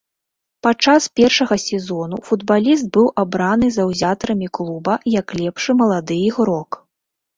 Падчас першага сезону футбаліст быў абраны заўзятарамі клуба як лепшы малады ігрок.